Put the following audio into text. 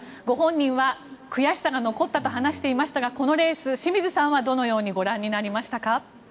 ご本人は悔しさが残ったと話していましたがこのレース清水さんはどのようにご覧になりましたか？